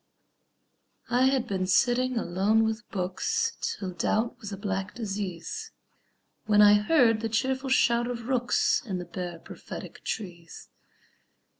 I had been sitting alone with books, Till doubt was a black disease, When I heard the cheerful shout of rooks In the bare, prophetic trees.